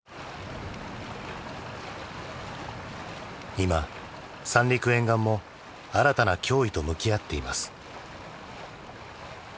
今三陸沿岸も新たな脅威と向き合っています。